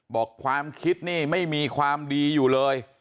บอกความคิดนี่ไม่มีความดีอยู่เลย